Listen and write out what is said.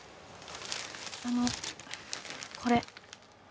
あのこれ。